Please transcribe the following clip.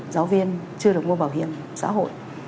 hai mươi năm giáo viên chưa được mua bảo hiểm xã hội